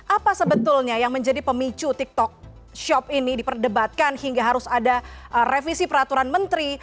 apa sebetulnya yang menjadi pemicu tiktok shop ini diperdebatkan hingga harus ada revisi peraturan menteri